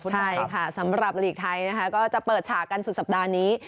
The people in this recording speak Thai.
ใช่ค่ะสำหรับหลีกไทยนะคะก็จะเปิดฉากกันสุดสัปดาห์นี้